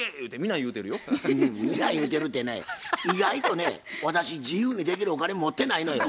皆言うてるてね意外とね私自由にできるお金持ってないのよ。